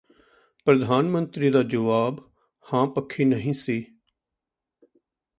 ਪ੍ਰਧਾਨ ਮੰਤਰੀ ਦਾ ਜੁਆਬ ਹਾਂਪੱਖੀ ਨਹੀਂ ਸੀ